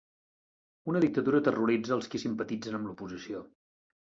Una dictadura terroritza els qui simpatitzen amb l'oposició.